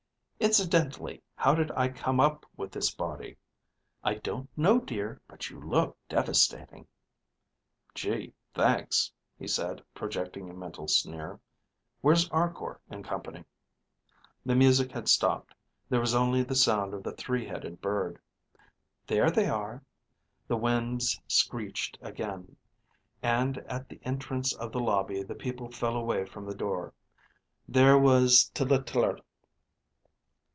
_ Incidentally, how did I come up with this body? I don't know, dear, but you look devastating. Gee, thanks, he said, projecting a mental sneer. Where's Arkor and Company? The music had stopped. There was only the sound of the three headed bird. There they are. The winds screeched again, and at the entrance of the lobby, the people fell away from the door. There was Tltltrlte.